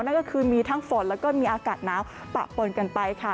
นั่นก็คือมีทั้งฝนและก็มีอากาศน้ำปะปนกันไป